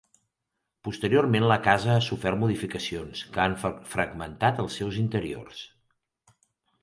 Posteriorment la casa ha sofert modificacions que han fragmentat els seus interiors.